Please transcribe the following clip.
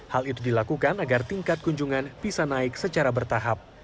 hal itu dilakukan agar tingkat kunjungan bisa naik secara bertahap